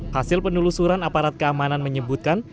hasil penelusuran aparat keamanan menyebutkan